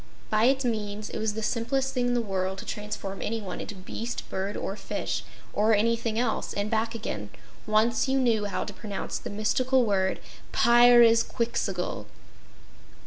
By its means, it was the simplest thing in the world to transform anyone into beast, bird or fish, or anything else, and back again, once you know how to pronounce the mystical word: "Pyrzqxgl."